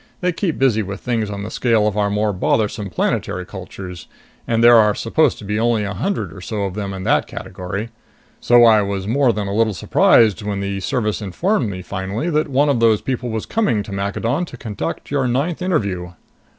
They keep busy with things on the scale of our more bothersome planetary cultures and there are supposed to be only a hundred or so of them in that category. So I was more than a little surprised when the Service informed me finally one of those people was coming to Maccadon to conduct your ninth interview."